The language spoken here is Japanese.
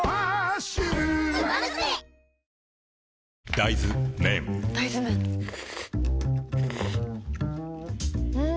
大豆麺ん？